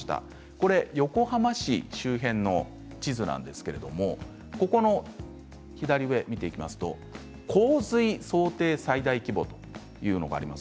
これ横浜市周辺の地図なんですけれどもここの左上を見ていきますと洪水想定最大規模というものがあります。